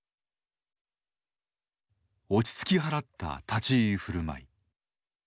落ち着き払った立ち居振る舞い。